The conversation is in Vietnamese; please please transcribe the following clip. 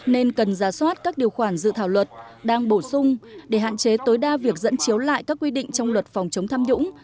nên cần ra soát các điều khoản dự thảo luật đang bổ sung để hạn chế tối đa việc dẫn chiếu lại các quy định trong luật phòng chống tham nhũng